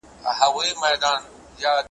چي په کوڅو کي ګرځي ناولي ,